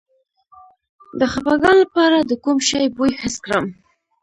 د خپګان لپاره د کوم شي بوی حس کړم؟